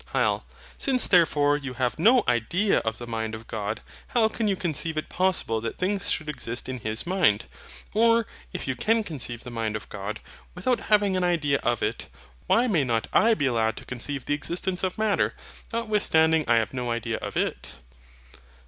HYL. Since therefore you have no IDEA of the mind of God, how can you conceive it possible that things should exist in His mind? Or, if you can conceive the mind of God, without having an idea of it, why may not I be allowed to conceive the existence of Matter, notwithstanding I have no idea of it?